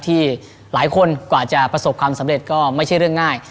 ที่หลายคนกว่าจะประสบความสำเร็จก็ไม่ใช่เรื่องง่าย